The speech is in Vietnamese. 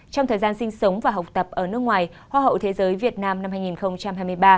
trong thời gian sinh sống và học tập ở nước ngoài hoa hậu thế giới việt nam năm hai nghìn hai mươi ba